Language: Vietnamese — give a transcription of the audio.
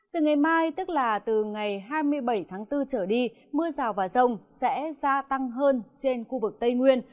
từ ngày mai tức là từ ngày hai mươi bảy tháng bốn trở đi mưa rào và rông sẽ gia tăng hơn trên khu vực tây nguyên